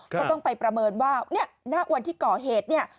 ก็ต้องไปประเมินว่าเนี่ยณวันที่ก่อเหตุเนี่ย